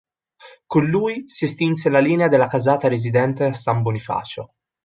Con lui si estinse la linea della casata residente a San Bonifacio.